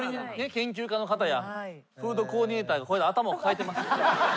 研究家の方やフードコーディネーターがこうやって頭を抱えてます。